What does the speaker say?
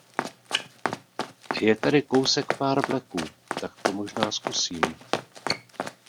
Je tady kousek pár vleků, tak to možná zkusím.